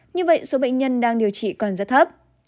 như vậy số bệnh nhân đang điều trị còn rất thấp